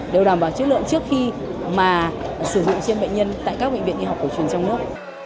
đều đảm bảo chất lượng trước khi mà sử dụng trên bệnh nhân tại các bệnh viện y học cổ truyền trong nước